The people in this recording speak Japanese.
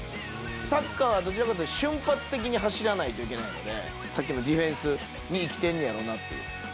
サッカーはどちらかというと、瞬発的に走らないといけないので、さっきのディフェンスに生きてんのやろうなって。